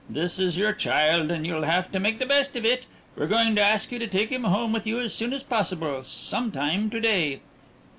"This is your child, and you'll have to make the best of it. We're going to ask you to take him home with you as soon as possible some time to day."